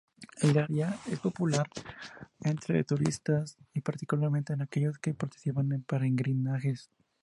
El área es popular entre turistas, particularmente aquellos que participan en peregrinajes.